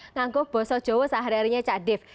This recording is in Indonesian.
nganggo bahasa jawa sehari harinya cak dave